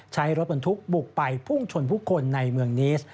ใช้รถบรรทุกบุกไปพุ่งชนผู้คนในเมืองนิส